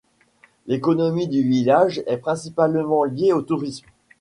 L'économie du village est principalement liée au tourisme.